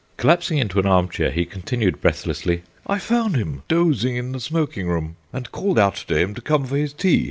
Collapsing into an armchair he continued breathlessly: "I found him dozing in the smoking room, and called out to him to come for his tea.